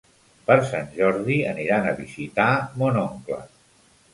Per Sant Jordi aniran a visitar mon oncle.